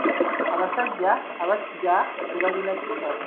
Abasajja abasiga tebalina kisa.